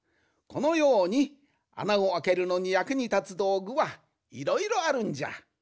このようにあなをあけるのにやくにたつどうぐはいろいろあるんじゃ。